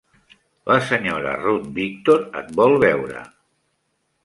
La senyora Ruth Victor et vol veure.